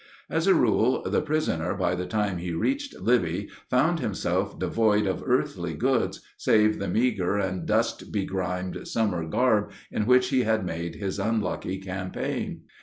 As a rule, the prisoner, by the time he reached Libby, found himself devoid of earthly goods save the meager and dust begrimed summer garb in which he had made his unlucky campaign.